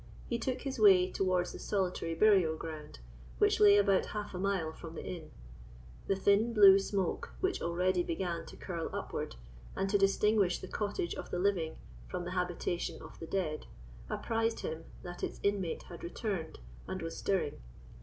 He took his way towards the solitary burial ground, which lay about half a mile from the inn. The thin blue smoke, which already began to curl upward, and to distinguish the cottage of the living from the habitation of the dead, apprised him that its inmate had returned and was stirring.